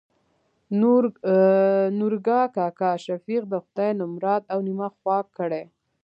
نورګا کاکا : شفيق د خداى نمراد او نيمه خوا کړي.